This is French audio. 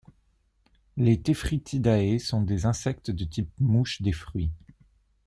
Les Tephritidae sont des insectes de type mouche des fruits.